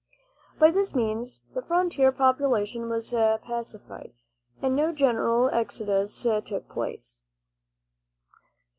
By this means, the frontier population was pacified, and no general exodus took place.